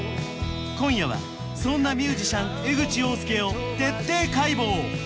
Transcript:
今夜はそんなミュージシャン江口洋介を徹底解剖！